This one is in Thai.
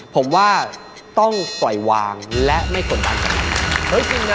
ผมว่าต้องปล่อยวางและไม่กดดัน